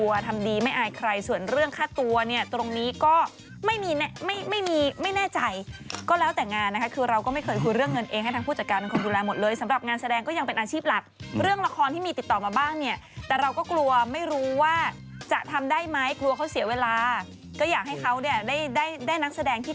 ทำดีไม่อายใครส่วนเรื่องค่าตัวเนี่ยตรงนี้ก็ไม่มีไม่ไม่มีไม่แน่ใจก็แล้วแต่งานนะคะคือเราก็ไม่เคยคุยเรื่องเงินเองให้ทางผู้จัดการเป็นคนดูแลหมดเลยสำหรับงานแสดงก็ยังเป็นอาชีพหลักเรื่องละครที่มีติดต่อมาบ้างเนี่ยแต่เราก็กลัวไม่รู้ว่าจะทำได้ไหมกลัวเขาเสียเวลาก็อยากให้เขาเนี่ยได้ได้นักแสดงที่